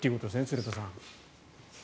鶴田さん。